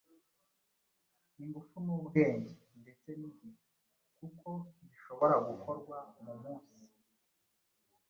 ingufu n’ubwenge, ndetse n’igihe kuko ntibishobora gukorwa mu munsi